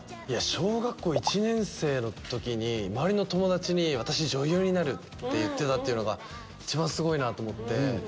小学校１年生の時に周りの友達に。って言ってたっていうのが一番すごいなと思って。